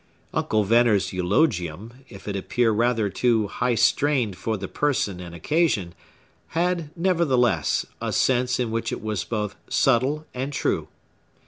Uncle Venner's eulogium, if it appear rather too high strained for the person and occasion, had, nevertheless, a sense in which it was both subtile and true.